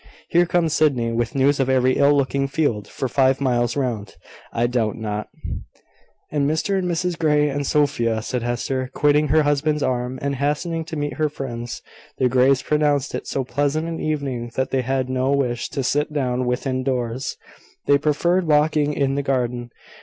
Here comes Sydney, with news of every ill looking field for five miles round, I doubt not." "And Mr and Mrs Grey, and Sophia," said Hester, quitting her husband's arm, and hastening to meet her friends. The Greys pronounced it so pleasant an evening, that they had no wish to sit down within doors; they preferred walking in the garden.